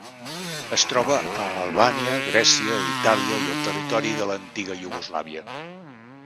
Es troba a Albània, Grècia, Itàlia i al territori de l'antiga Iugoslàvia.